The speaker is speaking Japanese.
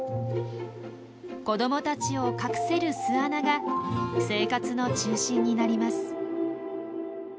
子どもたちを隠せる巣穴が生活の中心になります。